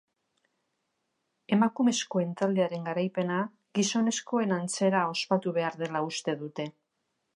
Emakumezkoen taldearen garaipena gizonezkoen antzera ospatu behar dela uste dute.